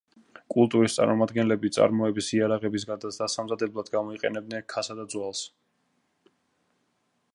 კულტურის წარმომადგენლები წარმოების იარაღების დასამზადებლად გამოიყენებდნენ რქასა და ძვალს.